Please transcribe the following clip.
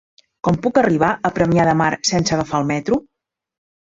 Com puc arribar a Premià de Mar sense agafar el metro?